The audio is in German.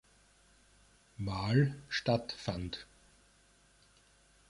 Mal statt fand.